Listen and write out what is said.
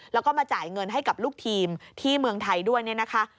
แล้วก็มาจ่ายเงินให้กับลูกทีมที่เมืองไทยด้วยเนี่ยนะคะ